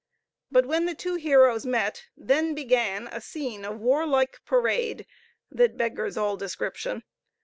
But when the two heroes met, then began a scene of warlike parade that beggars all description.